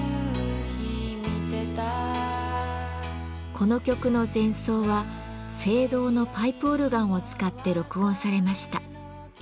この曲の前奏は聖堂のパイプオルガンを使って録音されました。